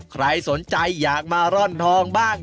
ใครสนใจอยากมาร่อนทองบ้าง